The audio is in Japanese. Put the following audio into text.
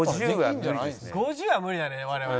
５０は無理だね我々。